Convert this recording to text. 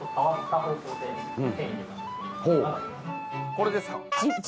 これですか？